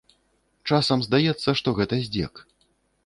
Часам здаецца, што гэта здзек.